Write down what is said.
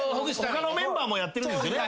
他のメンバーもやってるんですよね。